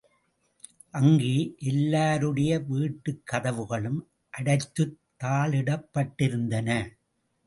அங்கே எல்லாருடைய வீட்டுக் கதவுகளும் அடைத்துத் தாழிடப்பட்டிருந்தன.